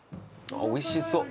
おいしそう。